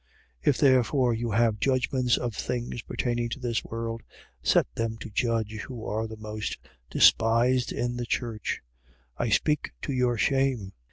6:4. If therefore you have judgments of things pertaining to this world, set them to judge who are the most despised in the church. 6:5. I speak to your shame.